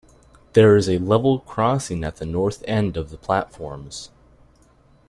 There is a level crossing at the north end of the platforms.